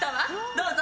どうぞ。